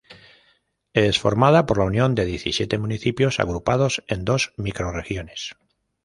Es formada por la unión de diecisiete municipios agrupados en dos microrregiones.